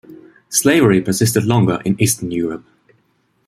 Slavery persisted longer in Eastern Europe.